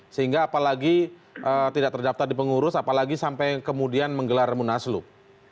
sehingga apalagi tidak terdaftar di pengurus apalagi sampai kemudian menggelar munaslup